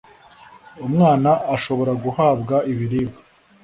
umwana ashobora guhabwa ibiribwa